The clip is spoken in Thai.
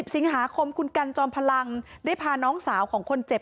สิงหาคมคุณกันจอมพลังได้พาน้องสาวของคนเจ็บ